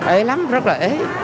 ấy lắm rất là ế